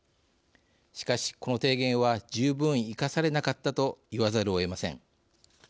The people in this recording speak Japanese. しかしこの提言は十分生かされなかったと言わざるをえません。